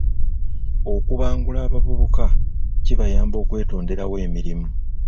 Okubangula abavubuka kibayamba okwetonderawo emirimu.